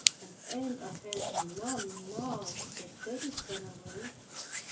An' ain't ah helpin' mammy Now dat daddy's gone away?